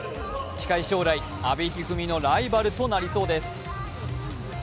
近い将来、阿部一二三のライバルとなりそうです。